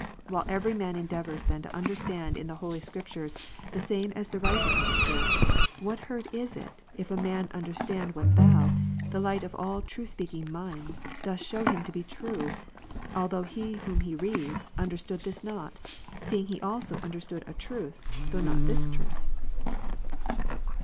^Vhile every man endeavours then to understand in the holy Scriptures, the same as the writer understood, what hurt is it, if a man un derstand what Thou, the light of all true speaking minds, dost shew him to be true, although he whom he reads, un derstood not this, seeing he also understood a Truth, though not this truth